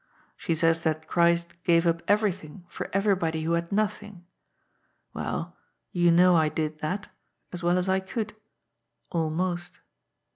" She says that Christ gave up everything for everybody who had nothing. Well, you know I did that, as well as I could. Almost.